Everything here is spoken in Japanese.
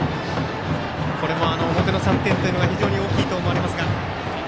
これも表の３点が大きいと思われますが。